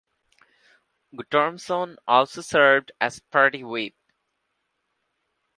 Guttormson also served as party whip.